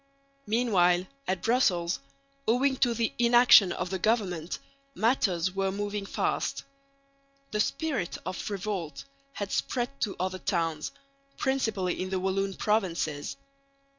Meanwhile at Brussels, owing to the inaction of the government, matters were moving fast. The spirit of revolt had spread to other towns, principally in the Walloon provinces.